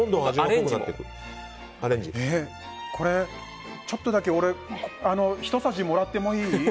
これ、ちょっとだけ俺ひとさじもらってもいい？